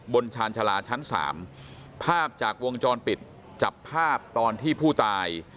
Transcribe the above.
ชาญชาลาชั้นสามภาพจากวงจรปิดจับภาพตอนที่ผู้ตาย